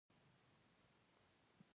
اوبه له کبانو ډکې دي او چاپیره وحشي ژوند دی